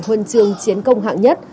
huân trương chiến công hạng nhất